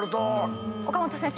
岡本先生。